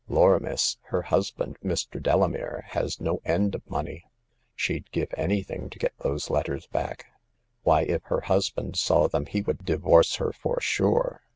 Lor', miss, her husband, Mr. Delamere, has no end of money ! She'd give anything to get those letters back. Why, if her husband saw them he would divorce her for sure